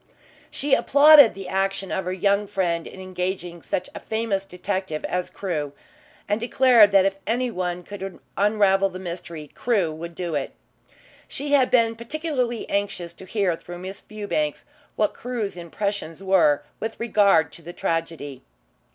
She applauded the action of her young friend in engaging such a famous detective as Crewe, and declared that if anyone could unravel the mystery, Crewe would do it. She had been particularly anxious to hear through Miss Fewbanks what Crewe's impressions were, with regard to the tragedy.